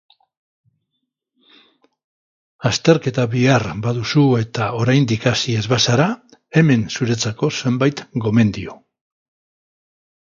Azterketa bihar baduzu eta oraindik hasi ez bazara, hemen zuretzako zenbait gomendio.